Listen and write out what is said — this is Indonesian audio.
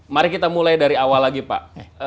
mari kita mulai dari awal lagi pak